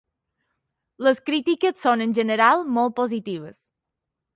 Les crítiques són en general molt positives.